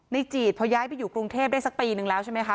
จีดพอย้ายไปอยู่กรุงเทพได้สักปีนึงแล้วใช่ไหมคะ